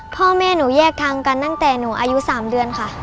พ่อแม่หนูแยกทางกันตั้งแต่หนูอายุ๓เดือนค่ะ